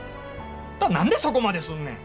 あんた何でそこまですんねん。